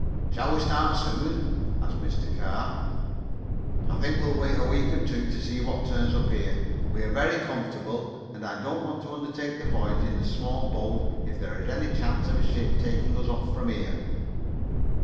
"Shall we start soon?" asked Mr. Carr. "I think we'll wait a week or two and see what turns up here. We are very comfortable, and I don't want to undertake the voyage in the small boat if there is any chance of a ship taking us off from here."